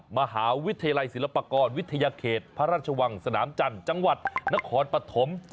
มหาวิทยาลัยศิลปากรวิทยาเขตพระราชวังสนามจันทร์จังหวัดนครปฐม